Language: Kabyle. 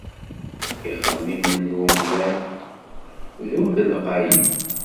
Ixemmimen n umdan, d ul lqayen.